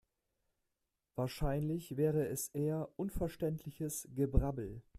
Wahrscheinlich wäre es eher unverständliches Gebrabbel.